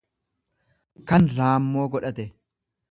kan raammoo godhate